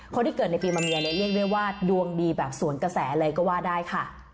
คนที่เกิดในปีมะเมียเนี่ยเรียกได้ว่าดวงดีแบบสวนกระแสเลยก็ว่าได้ค่ะ